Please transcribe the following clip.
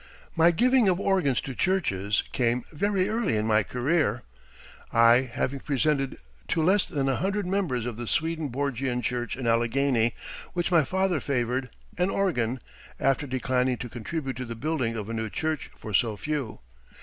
] My giving of organs to churches came very early in my career, I having presented to less than a hundred members of the Swedenborgian Church in Allegheny which my father favored, an organ, after declining to contribute to the building of a new church for so few.